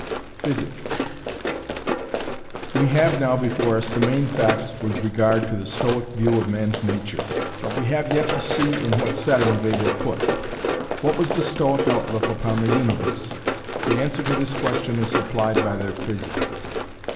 PHYSIC We have now before us the main facts with regard to the Stoic view of man's nature, but we have yet to see in what setting they were put. What was the Stoic outlook upon the universe? The answer to this question is supplied by their Physic.